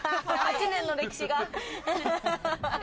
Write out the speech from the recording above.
８年の歴史が。